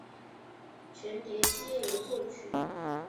全碟皆由作曲。